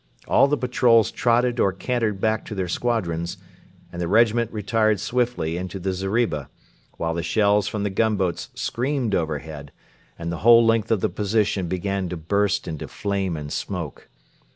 All the patrols trotted or cantered back to their squadrons, and the regiment retired swiftly into the zeriba, while the shells from the gunboats screamed overhead and the whole length of the position began to burst into flame and smoke.